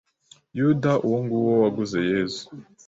Yuda uwonguwo waguze Yezu